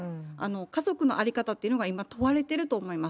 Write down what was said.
家族の在り方っていうのが、今、問われてると思います。